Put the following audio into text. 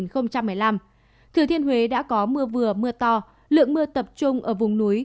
thừa thiên huế đã có mưa vừa mưa to lượng mưa tập trung ở vùng núi